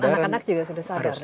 dan anak anak juga sudah sadar